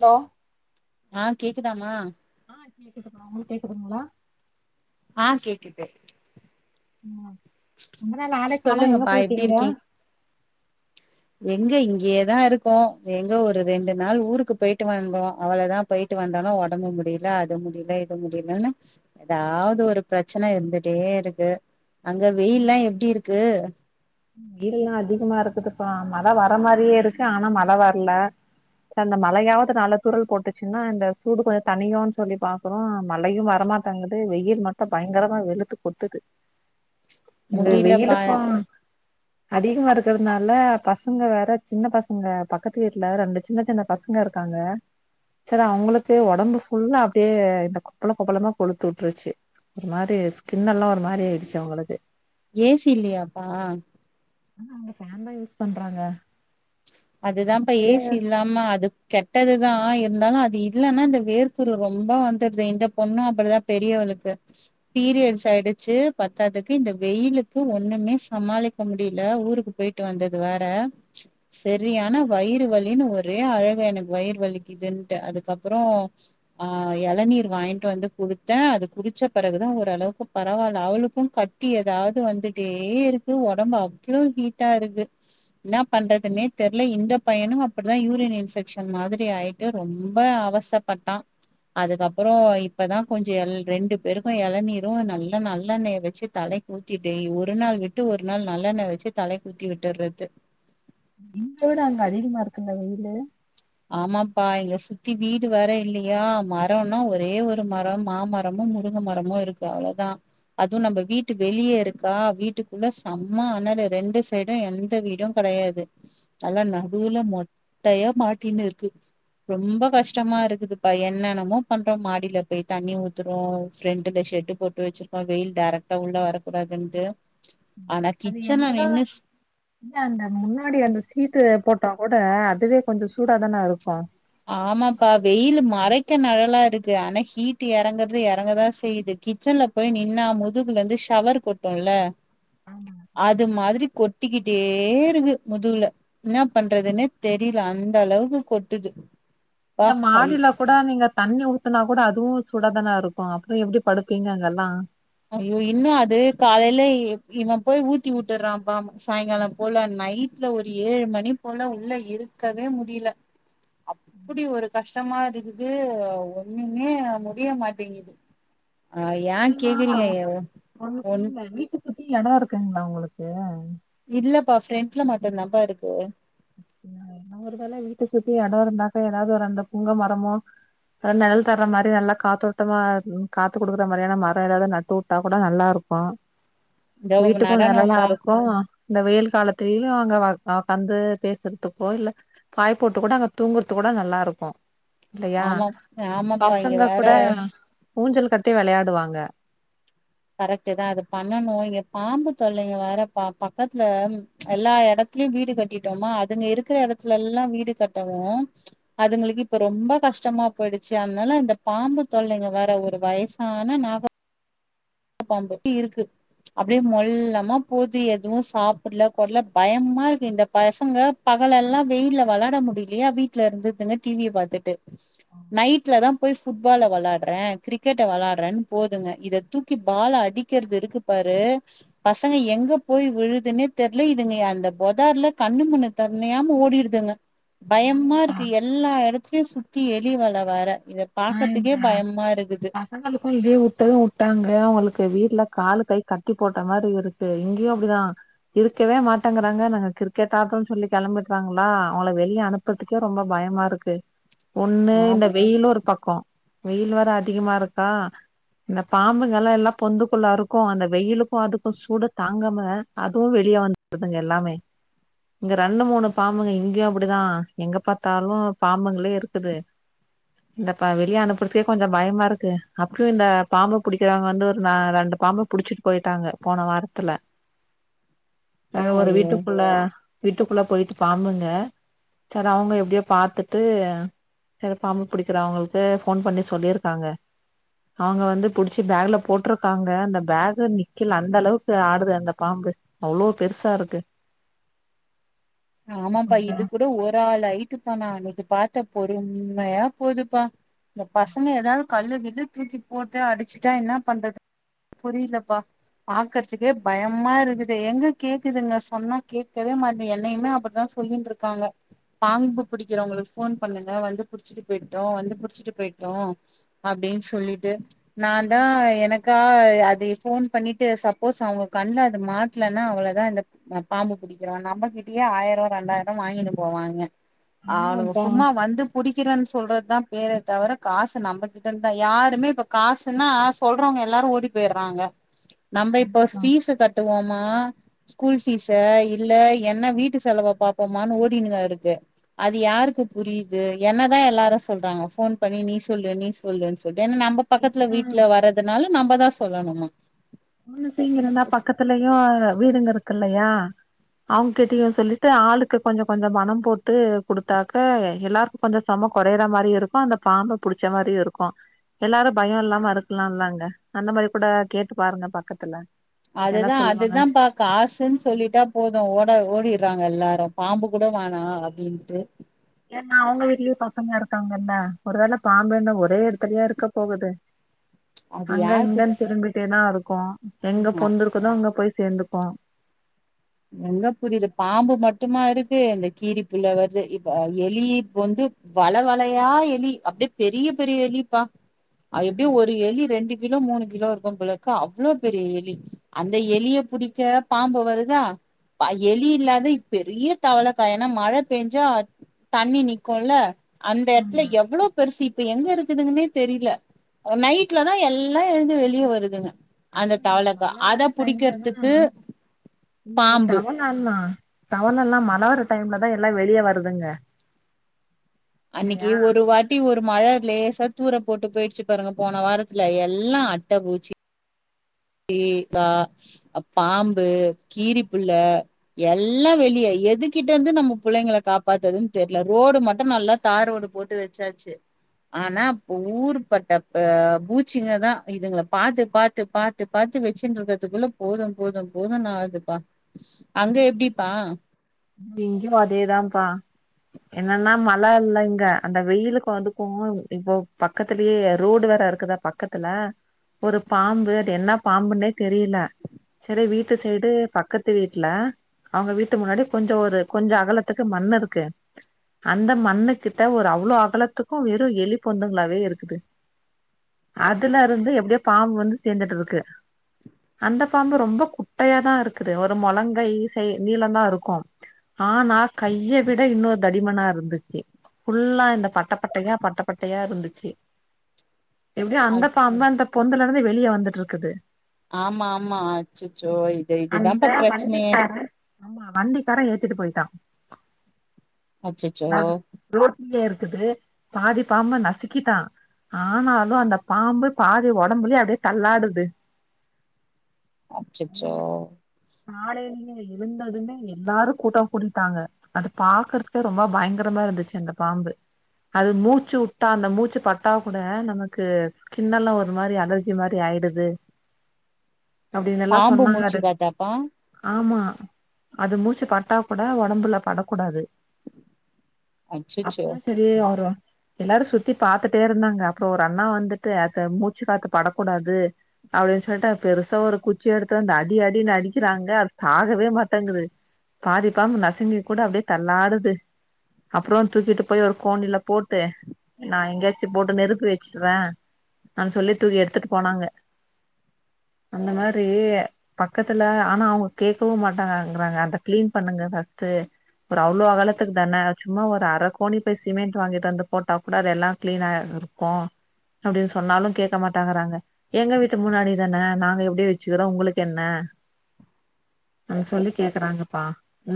Hello ஆ கேக்குதாமா ஆ கேக்குதுங்க உங்களுக்கு கேக்குதுங்களா ஆ கேக்குது ம் ரொம்ப நாளா ஆளே கானோ எங்க சொல்லுங்கப்பா எப்டி போய்டீங்க இருக்கீங் எங்க இங்கியேதா இருக்கோ எங்க ஒரு ரெண்டு நாள் ஊருக்கு போயிட்டு வாந்தோ அவளோதா போயிட்டு வந்தாலு ஒடம்பு முடில அது முடில இது முடிலன்னு ஏதாவது ஒரு பிரச்சன இருந்துட்டே இருக்கு அங்க வெயில்லா எப்டி இருக்கு வெயில்லா அதிகமா இருக்குதுப்பா மழ வர மாரியே இருக்கு ஆனா மழ வர்ல அந்த மழையாவது நால துறள் போட்டுச்சுன்னா இந்த சூடு கொஞ்சோ தனியுனு சொல்லி பாக்குறோ மழையு வரமாட் டங்கது வெயில் மட்டு பயங்கரமா வெளுத்து கொட்டுது இந்த முடியலப்பா வெயிலுக்கூ அதிகம் வறதுனால பசங்க வேற சின்ன பசங்க பக்கத்து வீட்டுல ரெண்டு சின்ன சின்ன பச ங்க இருக்காங்க சுலா அவங்களுக்கு உடம்பு ஃபுல்ல அப்டியே இந்த கொப்பள கொப்பளமா கொழுத்து விட்ருச்சு ஒரு மாரி ஸ்கின் எல்லா ஒரு மாரி ஆய்டுச்சு அவங்களுக்கு ஏ சி இல்லயாப்பா ஆ அவங்க ஃபேன் தா யூஸ் பண்றாங்க அதுதாப்பா இது ஏசி இல் தாமா அது கெட்டதுதா இருந்தாலு அது இல்லன்னா அந்த வேர்குரு ரொம்ப வந்துடுது இந்த பொண்ணு அப்புடிதா பெரியவளுக்கு பீரியட்ஸ் ஆயிடுச்சு பத்தாதுக்கு இந்த வெயிலுக்கு ஒண்ணுமே சமாளிக்க முடில ஊருக்கு போயிட்டு வந்தது வேற செரியான வயிறு வலின்னு ஒரே அழுக எனக்கு வயிறு வலிக்குதுன்ட்டு அதுக்கப்பறம் ஆஹ் இளநீர் வாங்கிட்டு வந்து குடுத்த அது குடிச்ச பிறகுதா ஓரளவுக்கு பரவாயில்ல அவளுக்கும் கட் ஏதாவது வந்துட்டே இருக்கு ஒடம்பு அவ்ளோ ஹீட்டா இருக்கு இன்னா பண்றது [unintelligible] தெர்ல இந்த பயனு அப்டி தா யூரின் இன்ஸ்பெக்ஷன் மாதிரி ஆயிட்டு ரொம்ப அவஸ்தபட்டா அதுக்கப்பறோ இப்பதா கொஞ்சோ ரெண்டு பேருக்கும் எளநீரும் நல்லா நல்லெண்ணெய் வச்சு தலை ஊத்திட்டே ஒரு நாள் விட்டு ஒரு நாள் நல்லெண்ணய் வச்சு தலைக்கு ஊத்தி விட்டுறது இங்க விட அங்க அதிகமா இருக்குங்க வெயிலு ஆமாப்பா இங்க சுத்தி வீடு வேர இல்லையா மரம்னா ஒரே ஒரு மரம் மாமர ரம்ம முருங்க மரமு இருக்கு அவ்ளோதா அதுவு நம்ம வீட்டு வெளியே இருக்கா வீட்டுக்குள்ள செம்ம அனலு ரெண்டு சைடும் எந்த வீடும் கெடையாது நல்லா நடுவுல மொட்டையா மாட்டினு இருக்கு ரொம்ப கஷ்டமா இருக்குதுப்பா என்னென்னமோ பண்றோ மாடியில போய் தண்ணி ஊத்துறோம் ஃப்ரெண்ட்ல ஷெட் போட்டு வச்சிருக்கோ வெயில் டேரக்டா உள்ள வரக்கூடாதுண்டு அது என்னதா இல்ல அந்த முன்னாடி அந்த சீட்டு போட்டா கூட அதுவே கொஞ்சோ சூடாதான இருக்கு ஆமாப்பா வெயில் மறைக்க நிழலா இருக்கு ஆனா ஹீட் இறங்குறது இறங்கதா செய்யுது கிச்சன்ல போய் நின்னா முதுகுல இருந்து ஷவர் கொட்டும்ல அது மாதிரி கொட்டிக்கிட்டே இருக்கு முதுகுல இன்ன பண்றதுன்னே தெரியல அந்த அளவுக்கு கொட்டுது இந்த ப்பா மாடில கூட நீங்க தண்ணி ஊத்துனா கூட அதுவு சூடாதான இருக்கும் அப்பற எப்டி படுப்பீங்க அங்கல்லா ஐயோ இன்னும் அது காலையில இவன் போய் ஊத்தி உட்டுறான்பா சாயங்காலம் போல நைட்ல ஒரு ஏழு மணி போல உள்ள இருக்கவே முடியல அப்டி ஒரு கஷ் கஷ்டமா இருக்குது ஒண்ணுமே முடிய மாட்டேங்குது அ ஏன் அம்மா கேக்குறீங்க ஒன் உங்களுக்கு வீட்ட சுத்தி எடம் இருக்குங்களா உங்களுக்கு இல்லப்பா ஃப்ரெண்ட்ல மட்டு தாப்பா இருக்கு ஒருதல்ல வீட்ட சுத்தி எட இருந்தாக்கா ஏதாவது ஒரு அந்த புங்க மரமோ அத நிழல் தர்ற மாரி நல்ல காத்தோட்டமா காத்து குடுக்குற மாதிரியான மரம் ஏதாவது நட்டு உட்டா கூட நல்லா இருக்கு [unintelligible] இந்த வீட்டுக்கும் நிழல்லா நடனம்ப்பா இருக்கும் இந்த வெயில் காலத்துலயு அங்க அ வந்து பேசுறதுக்கோ இல்ல பாய் போட்டு கூட அங்க தூங்கரதுக்கு கூட நல்லா இருக்கும் இல்லையா ஆமா ஆமாப்பா இங்க பசங்க வேற கூட ஊஞ்சல் கட்டி விளையாடுவாங்க கரெக்டு தா அது பண்ணனும் இங்க பாம்பு தொல்லைங்க வேற பக்கத்துல எல்லா இடத்துலயு வீடு கட்டிட்டோமா அதுங்க இருக்குற இடத்துல்லா வீடு கட்டவு அதுங்களுக்கு இப்ப ரொம்ப கஷ்டமா போயிடுச்சு அதனால இந்த பாம்பு தொல்லைங்க வேற ஒரு வயசான நாக [unintelligible] இருக்கு அப்டியே மொல்லமா போது எதுவும் சாப்படல கொள்ள பயமா இருக்கு இந்த பசங்க பகலெல்லா வெயில விளாட முடியலயா வீட்டுல இருந்திடுதுங்க டிவிய பார்த்துட்டு நைட்ல தான் போய் ஃபுட்பால் வெளாடுறே கிரிக்கெட்ட வெளாடுறேன்னு போதுங்க இத தூக் க்கி பால அடிக்கிறது இருக்கு பாரு பசங்க எங்க போய் விழுதுன்னே தெரியல இதுங்க அந்த பொதார்ல கண்ணு முண்ணு [unintelligible] ஓடிடுதுங்க பயமா ஆமாப்பா இருக்கு எல்லா எடத்துலயு சுத்தி எலி வல வேற பாக்கறதுக்கே பயமா இருக்குது எங்களுக்கும் லீவு விட்டதும் விட்டாங்க அவங்களுக்கு வீட்ல கால கை கட்டி போட்ட மாதிரி இருக்கு இங்கேயும் அப்டிதான் இருக்கவே மாட்டேங்கறாங்க நாங்க கிரிக்கெட் ஆட்ரோன்னு சொல்லி கெளம்பிட்ராங்களா அவங்கள வெளிய அனு பத்துக்கே ரொம்ப பயமா இருக்கு ஒண்ணு ஆம் இந்த வெயில் ஒரு பக்கோ வெயில் வேற அதிகமா இருக்கா இந்த பாம்புங்கல்லா எல்லா பொந்துக்குள்ள இருக்கு அந்த வெயிலுக்கு அதுக்கு சூடு தாங்காம அதுவு வெளிய வந் இதுங்க எல்லாமே இங்க ரெண்டு மூணு பாம்புங்க இங்கயு அப்டிதா எங்க பாத்தாலு பாம்புங்களே இருக்குது இந்தப்பா வெளிய அனு புடிச்சி கொஞ்சம் பயமா இருக்கு அப்பயும் இந்த பாம்பு பிடிக்கிறவங்க வந்து ஒரு ரெண்டு பாம்பு புடிச்சிட்டு போய்ட்டாங்க போன வாரத்துல எங்க ஒரு ஐயோ வீட்டுக்குள்ள வீட்டுக்குள்ள போயிட்டு பாம்புங்க சர் அவுங்க எப்டியோ பாத்துட்டு சரி பாம்பு புடிக்கிற அவங்களுக்கு போன் பண்ணி சொல்லியிருக்காங்க அவங்க வந்து புடிச்சு பேக்ல போட்ருக்காங்க அந்த பேக் நிக்கல அந்த அளவுக்கு ஆடுது அந்த பாம்பு அவ்ளோ பெருசா இருக்கு ஆமாப்பா அடடா. இது கூட ஒரு ஆள் அயிட்டுப்பா நா அன்னைக்கு பாத்த பொறுமையா போதுப்பா இந்த பசங்க ஏதாவது கல்லு கில்லு தூக்கி போட்டு அடிச்சுட்டா என்ன பண்றது [inaudible] புரியலப்பா பாக்கறதுக்கே பயமா இருக்குது எங்க கேக்குதுங்க சொன்னா கேட்கவே மாட்டே யுமே அப்டித்தான் சொல்லி இருக்காங்க பாம்பு புடிக்கிறவங்களு போன் பண்ணுங்க வந்து புடிச்சிட்டு போயிட்டும் வந்து புடிச்சிட்டு போயிட்டும் அப்டின்னு சொல்லிட்டு ஆ நான் தான் அப்ப சொல்லு எனக்கா அது போன் பண்ணி டு சப்போஸ் அவங்க கண்ல அது மாட்டலன்னா அவ்ளோதான் இந் பாம்பு புடிக்கிற நம்ம கிட் இங்கயே ஆயிரம் ரெண்டாயிரம் வாங்கினு போவாங்க அவனுங்க ஆமாப்பா சும்மா வந்து புடிக்கிறன்னு சொல்றது தான் பேர தவிர காசு நம்மகிட்ட தான் யாருமே இப்ப காசுன்னா ஆஸ் சொல்றவங்க எல்லாரு ஓடி போயட்றாங்க நம்ம இப்போ கண்டிப்பா ஃபீஸ் கட்டுவோமா ஸ்கூல் ஃபீஸ இல்ல என்ன வீட்டு செலவ பாப்போமானு ஓடினுங்க இருக்கு அது யாருக்கு புரியுது என்னதான் எல்லாரும் சொல்றாங்க போன் பண்ணி நீ சொல்லு நீ சொல்லு சொல்லிட்டு ஏன்னா நம்ம பக்கத்துல இல்லன்னா வீட்ல வர்றதுனால நம்மதா சொல்லணுமா உன்னு சீங் இருந்தா பக்கத்துலயு வீடுங்க இருக்கு இல்லையா அவுங் கிட்டயும் சொல்லிட்டு ஆளுக்கு கொஞ்ச கொஞ்ச பணம் போட்டு குடுத்தாக்கா எல்லா கொஞ்சம் செம குறையற மாதிரியும் இருக்கும் அந்த பாம்பை புடிச்ச மாரியும் இருக்கும் எல்லாரு பயோ இல்லாம இருக்கலால்லங்க அந்த மாரி கூட கேட்டு பாருங்க பக்கத்துல என்ன அதுதான் சொல்லுவாங்கன்னு அதுதான் பா காசுன்னு சொல்லிட்டா போதும் ஓட ஓடிடுறாங்க எல்லாரும் பாம்பு கூட வானாம் அப்டின்ட்டு ஏன்னா அவுங்க வீட்லயு பசங்க இருக்காங்கல்ல ஒரு வேளை பாம்புன ஒரே இடத்துலயேவா இருக்க போகுது அது அங்க யாருக்கு இங்கன்னு திரும்பிட்டே தான் இருக்கும் எங்க புரியுமா? பொந்திருக்குதோ அங்க போய் சேர்ந்துக்கும் நல்லா புரிது பாம்பு மட்டுமா இருக்கு இந்த கீரி புள்ள வருது இப்ப எலி இப்ப வந்து வளவளையா எலி அப்டியே பெரிய பெரிய எலிப்பா அது எப்டியு ஒரு எலி ரெண்டு கிலோ மூணு கிலோ இருக்கும் போலர்க்கு அவ்ளோ பெரிய எலி அந்த எலிய புடிக்க பாம்பு வருதா எலி இல்லாத பெரிய தவளைக்கா ஏன்னா மழ பேஞ்சா தண்ணி நிக்குல அந்த இடத்துல ஆமா எவ்ளோ பெருசு இப்ப எங்க இருக்குதுங்கன்னே தெரில நைட்லதா எல்லா எழுந்து வெளிய வருதுங்க அந்த அதுவு இந்த தவளதா மழ அத புடிக்கிற்துக்கு இன்னு இந்த தவங்ல்லா தவண எல்லா மழவர டைம்லதா எல்லா வெளிய வருதுங்க அன்னைக்கி இல்லையா ஒரு வார் குட்டி ஒரு மழ அது லேசா தூறல் போட்டு போயிடுச்சி பாருங்க போன வாரத்துல எல்லாம அட்ட பூச்சி இ தா அ பாம்பு கீரிப்புள்ள எல்லா வெளியா எதுகிட்ட இருந்து நம்ம புள்ளைங்க காப்பாத்தறதுன்னு தெர்ல ரோடு மட்டும் நல்லா தார் ரோடு போட்டு வெச்சாச்சி ஆனா ஊரு பட்ட பூச்சிங்க தா இதுங்கள பாத்து பாத்து பாத் பாத்து பாத்து வெச்சின் இருக்கறதுக்குள்ள போதும் போதும் போதுன்னு ஆகுதுப்பா அங்க எப்டிப்பா இங்கயு அதேதாம்பா என்னன்னா மழ இல்ல இங்க அந்த வெயிலுக்கு வந்துக்கும் இப்போ பக்கத்திலயே ரோடு வேற இருக்குதா பக்கத்துல ஒரு பாம்பு அது என்ன பாம்புன்னே தெரியில சரி வீட்டு சைடு பக்கத்து வீட்ல அவங்க வீட்டு முன்னாடி கொஞ்சோ ஒரு கொஞ்சோ அகலத்துக்கு மண் இருக்கு அந்த மண்ணு கிட்ட ஒரு அவ்ளோ அகலத்துக்கு வெறு எலி பொந்துங்களாவே இருக்குது அதுல இருந்து எப்டியோ பாம்பு வந்து சேந்துட்டு இருக்கு அந்த பாம்பு ரொம்ப குட்டையா தா இருக்குது ஒரு மொலங்கை சை நீளந்தா இருக்கு ஆனா கைய விட இன்னோ தடிமனா இருந்துச்சு ஃபுல்லா இந்த பட்டப்பட்டையா பட்டப்பட்டையா இருந்துச்சி எப்டியு அந்த பாம்புதா அந்த பொந்துல இருந்து வெளியே வந்துட்டு இருக்குது ஆமா ஆமா அச்சச்சோ இது இதுதான்ப்பா பெரச்சனயே ஆம்மா வண்டிகாரன் ஏத்திட்டு போயிட்டான் அச்சச்சோ ரோட்லயே இருக்குது பாதி பாம்ப நசுக்கிட்டா ஆனாலும் அந்த பாம்பு பாதி ஒடம்புலே அப்டியே தள்ளாடுது அச்சச்சோ காலையிலையே எழுந்ததுமே எல்லாரு கூட்டோ கூட்டிட்டாங்க அத பாக்கறதுக்கே ரொம்ப பயங்கரமா இருந்துச்சி அந்த பாம்பு அது மூச்சு உட்டா அந்த மூச்சு பட்டா கூட நமக்கு ஸ்கின் எல்லா ஒரு மாரி அலர்ஜி மாரி ஆயிடுது அப்டின்னு எல்லா பாம்பு சொன்னாங்க மூச்சு அது காத்தாப்பா ஆமா அது மூச்சி பட்டா கூட ஒடம்புல படக்கூடாது அச்சச்சோ அப்பனா செர் இதே ஆர்றதா எல்லாரு சுத்தி பாத்துட்டே இருந்தாங்க அப்போ ஒரு அண்ணா வந்துட்டு அத மூச்சு காத்து படக்கூடாது அப்டி சொல்டு பெருசா ஒரு குச்சி எடுத்து வந்து அடி அடி அடி கிறாங்க அது சாகவே மாட்டேங்குது பாதி பாம்பு நசுங்கி கூட அப்டியே தள்ளாடுது அப்றோ தூக்கிட்டு போய் ஒரு கோனில போட்டு நா எங்கேயாச்சி போட்டு நெருப்பு வெச்சுடுவை அ சொல்லி தூக்கி எடுத்துட்டு போனாங்க அந்த மாரி பக்கத்துல ஆனா அவுங்க கேட்கவு மாட்டாங்க சொல்ராங்க அத கிளீன் பண்ணுங்க ஃபஸ்ட்டு ஒரு அவ்ளோ அகலத்துக்கு தான சும்மா ஒரு அரை கோணி பை சிமெண்ட் வாங்கிட்டு வந்து போட்டா குட அதெல்லா கிளீனாயிருக் கோ அப்டின்னு சொன்னாலு கேட்க மாட்டாங்கறாங்க எங்க வீட்டு முன்னாடி தானே நாங்க எப்டியோ வெச்சிக்கிறோ உங்களுக்கு என்ன அ சொல்லி கேக்குறாங்கப்பா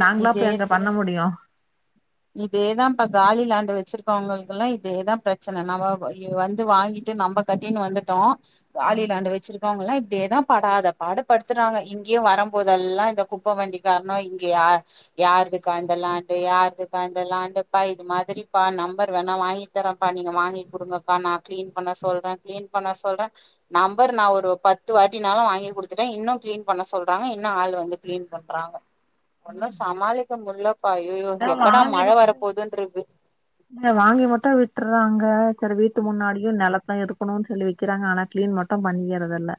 நாங்களா போய்அங்க பண்ண முடியும் இதேதாம்பா காலி லேண்ட் வெச்சிருக்கவங்களுக்கு எல்லாம் இதேதா பிரச்சன நம்போ இத வந்து வாங்கிட்டு நம்ம கட்டின்னு வந்துட்டோ காலி லேண்ட் வெச்சிருக்க இருக்கவங்கல்லா இப்டியேதா படாத படுத்துறாங்க இங்கயு வரும்போதெல்லா இந்த குப்ப வண்டி கார்னு இங்க யார் யாருதுக்கா இந்த லேண்டு யாருது பா இந்த லேண்ட்டுபா இது மாதிரிப்பா நம்பர் வேணா வாங்கி தரேப்பா நீங்க வாங்கி குடுங்க வா மா கிளீன் பண்ண சொல்ற கிளீன் பண்ண சொல்ற நம்பரு நா ஒரு பத்து வாட்டினாளும் வாங்கி குடுத்துட்டேன் இன்னும் கிளீன் பண்ண சொல்றாங்க இன்னு ஆள் வந்து கிளீன் பண்றாங்க ஒன்னும் சமாளிக்க முல்ல ஐய்யோ எப்படா மழ வரப்போதுன்றுக்கு இங்க வாங்கி மட்டு விட்டுறாங்க சரி வீட்டு முன்னாடியும் நெலத்தயும் இருக்கு போணும்னு சொல்லி வைக்கிறாங்க ஆனா கிளீன் மட்டும் பண்ணிக்கறதல்ல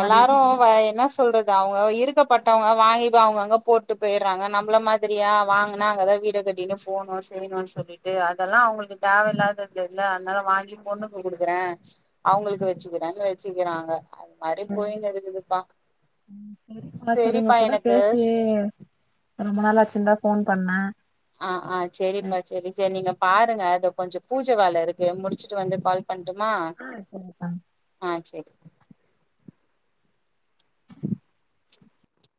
எல்லாரும் வை என்ன ஸ் சொல்றது அவங்க இருக்கப்பட்டவங்க வாங்கி அவங்கங்க போட்டு போய்டுறாங்க நம்மள மாதிரியா வாங்கினா அங்கதான் வீட கட் இங்க ஃபோனு செய்ணு சொல்லிட்டு அதெல்லாம் அவங்களுக்கு தேவயில்லாத தெர்ல அன்னால வாங்கி பொண்ணுக்கு குடுக்குறேன் அவங்களுக்கு வச்சுக்கிறே வச்சுக்கிறாங்க மாிம் போயங்கதுக்குதுப்பா சரி உங்க சரிப்பா கூட எனக்கு பேசி ரொம்ப நாள் ஆச்சிருந்தா ஃபோன் பண்ண ஆ ஆ செரிப்பா செரி சரி நீங்க பாருங்க இதோ கொஞ்சோ பூஜ வேல இருக்கு முடிச்சுட்டு வந்து கால் பண்டுமா ஆ செரி